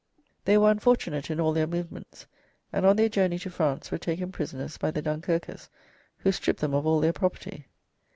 They were unfortunate in all their movements, and on their journey to France were taken prisoners by the Dunkirkers, who stripped them of all their property.